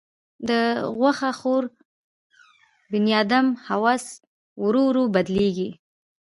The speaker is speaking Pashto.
د غوښه خور بنیادم حواس ورو ورو بدلېږي.